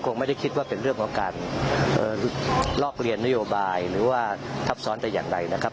คงไม่ได้คิดว่าเป็นเรื่องของการลอกเรียนนโยบายหรือว่าทับซ้อนแต่อย่างใดนะครับ